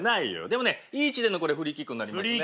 でもねいい位置でのフリーキックになりますね。